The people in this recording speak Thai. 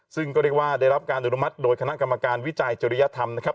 ซึ่งก็เรียกว่าได้รับการอนุมัติโดยคณะกรรมการวิจัยจริยธรรมนะครับ